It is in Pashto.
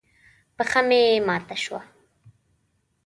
پښه مې ماته شوه.